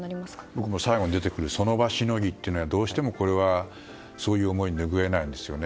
僕も、最後に出てくるその場しのぎっていうどうしてもそういう思いがぬぐえないんですよね。